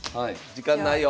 時間ないよ。